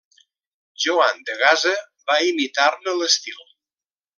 Joan de Gaza va imitar-ne l'estil.